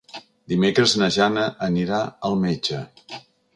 Dimecres na Jana anirà al metge.